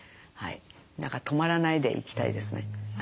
何か止まらないで行きたいですね。